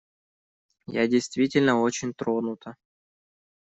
Я действительно очень тронута.